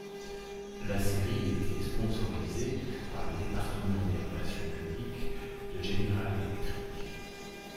La série était sponsorisée par le département des relations publiques de General Electric.